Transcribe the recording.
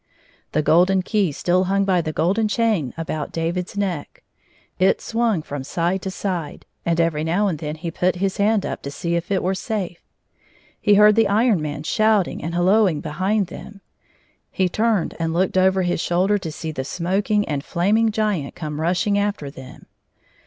The golden key still hung by the golden chain about David's neck. It swung from side to side, and every now and then he put his hand up to see if it were safe. He heard the Iron Man shouting and hallooing behind them. He turned and looked over his shoulder to see the smoking and flaming giant coming rushing after them.